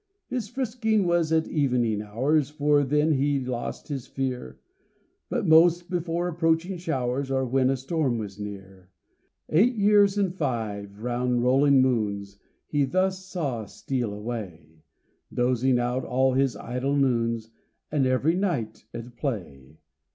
His frisking was at evening hours, For then he lost his fear, But most before approaching showers Or when a storm was near. Eight years and five round rolling moons He thus saw steal away, Dozing out all his idle noons, And every night at play.